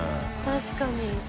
確かに。